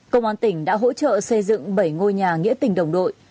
công an tỉnh đã hỗ trợ xây dựng bảy ngôi nhà nghĩa tình đồng đội